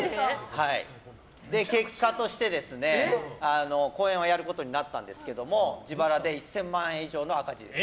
結果として、公演はやることになったんですけど自腹で１０００万円以上の赤字です。